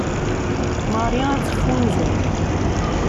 Marie ad teffunzer.